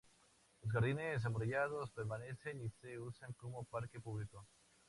Los jardines amurallados permanecen, y se usan como parque público.